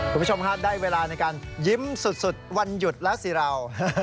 คุณผู้ชมฮะได้เวลาในการยิ้มสุดวันหยุดแล้วสิเรา